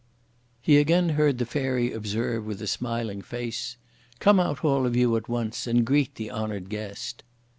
He again heard the Fairy observe with a smiling face: "Come out all of you at once and greet the honoured guest!"